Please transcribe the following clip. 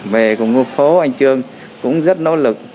về cùng phố anh trương cũng rất nỗ lực